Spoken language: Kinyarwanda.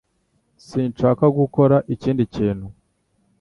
Sinshaka gukora ikindi kintu